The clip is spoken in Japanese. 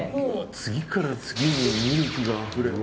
次から次にミルクがあふれて。